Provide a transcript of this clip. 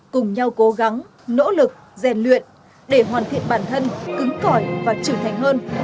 cùng nhau cố gắng nỗ lực rèn luyện để hoàn thiện bản thân cứng còi và trưởng thành hơn